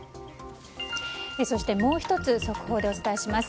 もう１つ、速報でお伝えします。